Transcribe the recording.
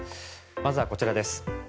まずはこちらです。